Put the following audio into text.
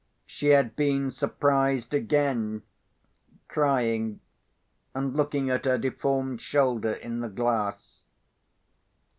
She had been surprised again, crying and looking at her deformed shoulder in the glass.